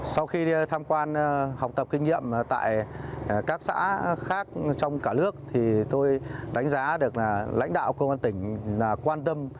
sau khi tham quan học tập kinh nghiệm tại các xã khác trong cả nước thì tôi đánh giá được là lãnh đạo công an tỉnh quan tâm